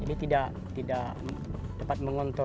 jadi tidak dapat mengontrol